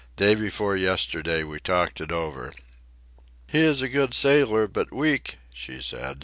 Day before yesterday we talked it over. "He is a good sailor, but weak," she said.